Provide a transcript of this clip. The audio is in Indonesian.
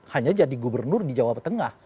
hanya jadi gubernur di jawa tengah